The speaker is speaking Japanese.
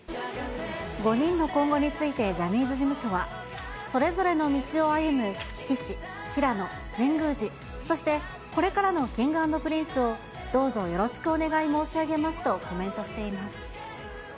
５人の今後について、ジャニーズ事務所は、それぞれの道を歩む岸、平野、神宮寺、そして、これからのＫｉｎｇ＆Ｐｒｉｎｃｅをどうぞよろしくお願い申し上げますとコメントしています。